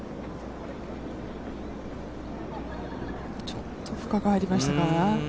ちょっと負荷がありましたか。